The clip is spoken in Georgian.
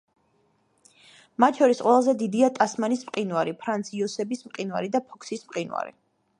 მათ შორის ყველაზე დიდია ტასმანის მყინვარი, ფრანც-იოსების მყინვარი და ფოქსის მყინვარი.